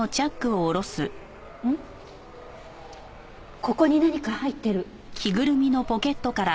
ここに何か入ってる。